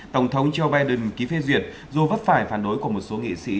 tổng thống joe biden ký phê duyệt dù vấp phải phản đối của một số nghị sĩ